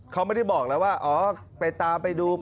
เค้าไม่ได้บอกตามไปดู